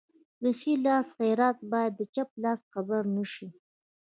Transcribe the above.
د ښي لاس خیرات باید چپ لاس خبر نشي.